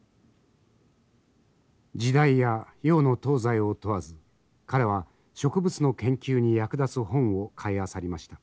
時代や洋の東西を問わず彼は植物の研究に役立つ本を買いあさりました。